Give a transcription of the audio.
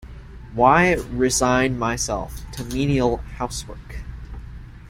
Why resign myself to menial housework?